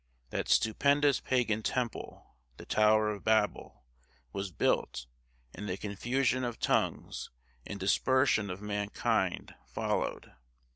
That stupendous pagan temple, the Tower of Babel, was built, and the confusion of tongues, and dispersion of mankind, followed.